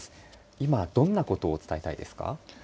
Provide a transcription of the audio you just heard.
今どんなことを伝えたいですか。